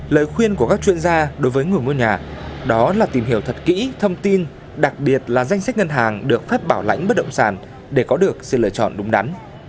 lời khuyên của các chuyên gia đối với người mua nhà đó là tìm hiểu thật kỹ thông tin đặc biệt là danh sách ngân hàng được phép bảo lãnh bất động sản để có được sự lựa chọn đúng đắn